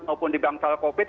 maupun di bangsa covid